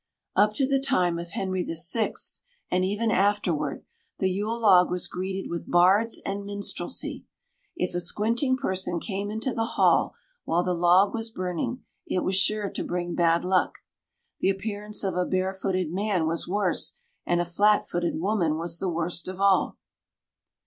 Up to the time of Henry VI, and even afterward, the Yule log was greeted with bards and minstrelsy. If a squinting person came into the hall while the log was burning, it was sure to bring bad luck. The appearance of a barefooted man was worse, and a flat footed woman was the worst of all.